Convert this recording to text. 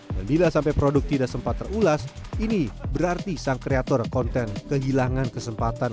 dan bila sampai produk tidak sempat terulas ini berarti sang kreator konten kehilangan kesempatan